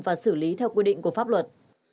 và xử lý theo quy định của pháp luật